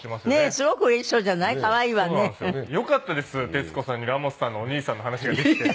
徹子さんにラモスさんのお兄さんの話ができて。